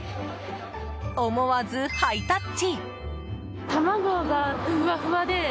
思わずハイタッチ。